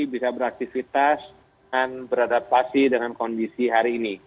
bisa beraktivitas dan beradaptasi dengan kondisi hari ini